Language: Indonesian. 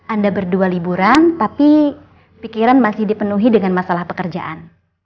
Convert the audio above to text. anda berdua liburan tapi pikiran masih dipenuhi dengan masalah pekerjaan